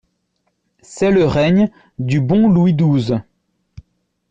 C'est le règne du bon Louis douze.